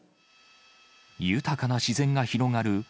豊かな自然が広がる